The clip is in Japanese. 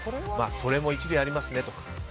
それも一理ありますねとか。